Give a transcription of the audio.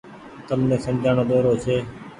تم ني سمجهآڻو ۮورو ڇي۔